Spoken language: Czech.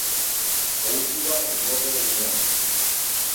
Používá odborné názvy.